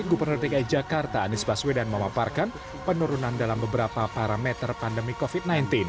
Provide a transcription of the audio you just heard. gubernur dki jakarta anies baswedan memaparkan penurunan dalam beberapa parameter pandemi covid sembilan belas